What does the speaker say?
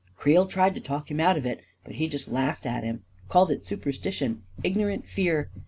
" Creel tried to talk him out of it, but he just laughed at him — called it superstition, ignorant fear.